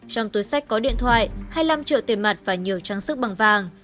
trong túi sách có điện thoại hai mươi năm triệu tiền mặt và nhiều trang sức bằng vàng